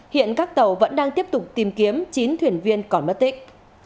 hiện các tàu vẫn đang tiếp tục tìm kiếm chín thuyền viên còn mất tích